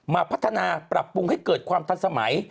มาพัฒนาปรับปรุงให้เกิดความทันสมัย